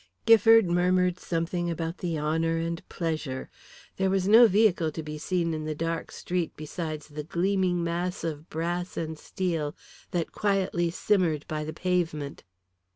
Gifford murmured something about the honour and pleasure. There was no vehicle to be seen in the dark street besides the gleaming mass of brass and steel that quietly simmered by the pavement.